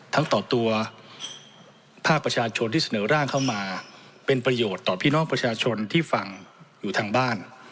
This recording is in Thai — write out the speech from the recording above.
ทั้งต่อตัวภาคประชาชนที่เสนอร่างเข้ามาเป็นประโยชน์ต่อพี่น้องประชาชนที่ฟังอยู่ทางบ้าน